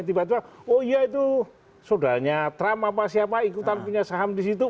tiba tiba oh iya itu saudaranya trump apa siapa ikutan punya saham di situ